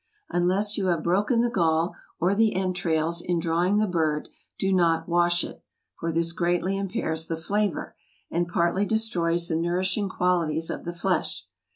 Unless you have broken the gall, or the entrails, in drawing the bird, do not wash it, for this greatly impairs the flavor, and partly destroys the nourishing qualities of the flesh.